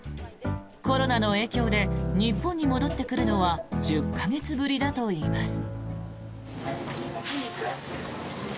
コロナの影響で日本に戻ってくるのは１０か月ぶりだといいます。